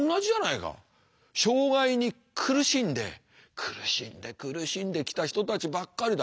障害に苦しんで苦しんで苦しんできた人たちばっかりだ。